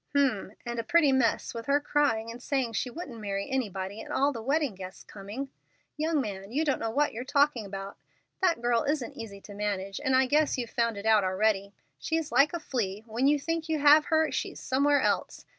"H'm! And had a pretty mess, with her crying and saying she wouldn't marry anybody, and all the wedding guests coming? Young man, you don't know what you're talking about. That girl isn't easy to manage, and I guess you've found it out already. She's like a flea: when you think you have her, she's somewhere else.